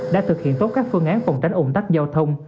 đã thực hiện tốt các phương án phòng tránh ủng tắc giao thông